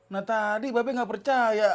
nah tadi babe gak percaya